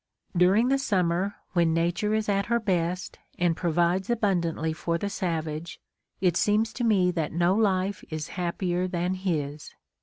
During the summer, when Nature is at her best, and provides abundantly for the savage, it seems to me that no life is happier than his!